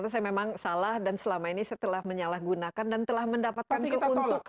saya memang salah dan selama ini setelah menyalahgunakan dan telah mendapatkan keuntungan